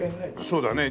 そうだね。